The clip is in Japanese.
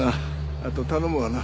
あと頼むわな。